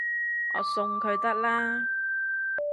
我送佢得喇